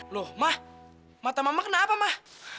loh mah mata mama kena apa mah